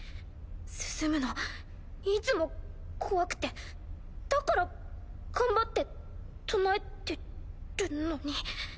進むのいつも怖くてだから頑張って唱えてるのに。